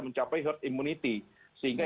mencapai herd immunity sehingga